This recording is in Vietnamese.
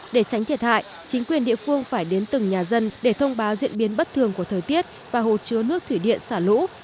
để tránh thiệt hại chính quyền địa phương phải đến từng nhà dân để thông báo diễn biến bất thường của thời tiết và hồ chứa nước thủy điện xả lũ